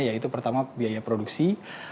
yaitu pertama biaya produksi